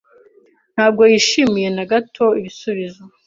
Ntabwo yishimiye na gato ibisubizo.